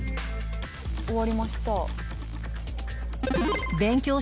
「終わりました」